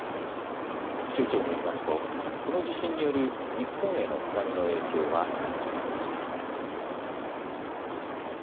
気象庁によりますとこの地震による日本への津波の影響はありません。